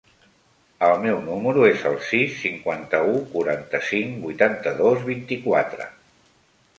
El meu número es el sis, cinquanta-u, quaranta-cinc, vuitanta-dos, vint-i-quatre.